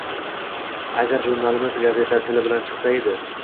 Agar jurnalimiz gazeta tili bilan chiqsa edi.